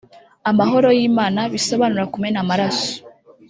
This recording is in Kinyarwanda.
Amahoro y’Imana bisobanura kumena amaraso